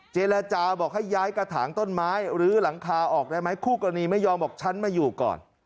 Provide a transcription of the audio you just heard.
เจรจาบอกให้ย้ายกระถางต้นไม้หรือหลังคาออกได้ไหมคู่กรณีไม่ยอมบอกฉันมาอยู่ก่อน